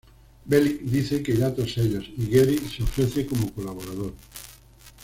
Bellick dice que irá tras ellos y Geary se ofrece como colaborador.